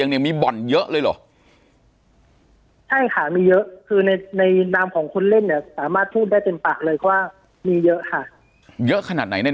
ปากกับภาคภูมิ